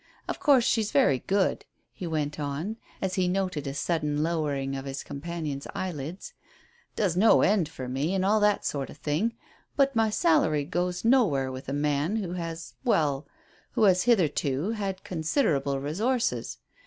Of course she's very good," he went on, as he noted a sudden lowering of his companion's eyelids; "does no end for me, and all that sort of thing; but my salary goes nowhere with a man who has well who has hitherto had considerable resources.